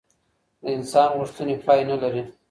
د انسان غوښتنې پای نه لري.